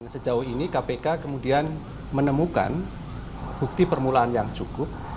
sejauh ini kpk kemudian menemukan bukti permulaan yang cukup